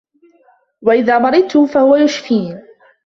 وَإِذا مَرِضتُ فَهُوَ يَشفينِ